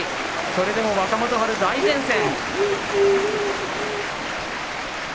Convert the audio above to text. それでも若元春、大熱戦。